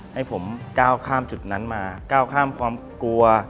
ให้ผมก้าวข้ามจุดนั้นมาก้าวข้ามความกลัว